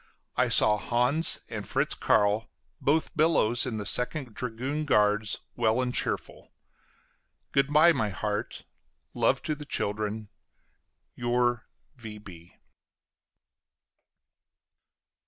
I saw Hans and Fritz Carl, both Billows, in the Second dragoon guards, well and cheerful. Good by, my heart; love to the children. Your V.